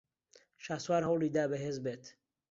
شاسوار ھەوڵی دا بەھێز بێت.